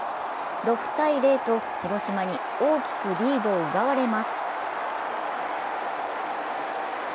６−０と広島に大きくリードを奪われます。